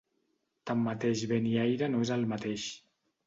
Tanmateix vent i aire no és el mateix.